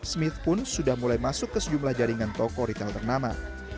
smith pun sudah mulai masuk ke sejumlah jaringan toko retail ternama